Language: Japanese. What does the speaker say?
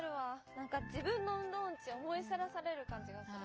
なんか自分の運動音痴思い知らされる感じがする。